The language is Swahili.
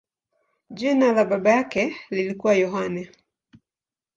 Jina la baba yake lilikuwa Yohane.